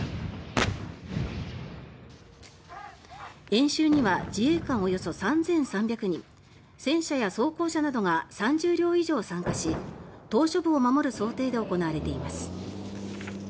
演習には自衛官およそ３３００人戦車や装甲車などが３０両以上参加し島しょ部を守る想定で行われています。